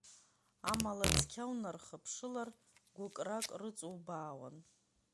Амала, цқьа унархыԥшылар, гәыкрак рыҵубаауан.